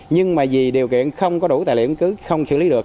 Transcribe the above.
nhưng mà vì điều kiện không có đủ tài liệu cứ không xử lý được